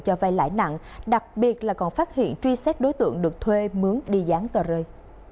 cho vay lãi nặng đặc biệt là còn phát hiện truy xét đối tượng được thuê mướn đi dán tờ rơi